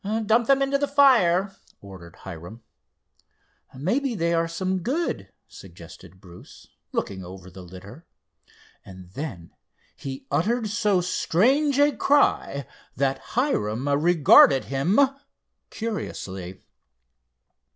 "Dump them into the fire," ordered Hiram. "Maybe they are some good," suggested Bruce, looking over the litter, and then he uttered so strange a cry that Hiram regarded him curiously.